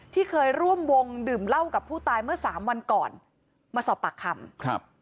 ที่เคยร่วมวงดื่มเหล้ากับผู้ตายเมื่อสามวันก่อนมาสอบปากคำครับ